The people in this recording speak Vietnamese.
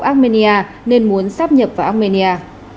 học armenia nên muốn sắp nhập vào armenia